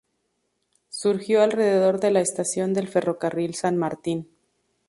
Surgió alrededor de la estación del Ferrocarril San Martín.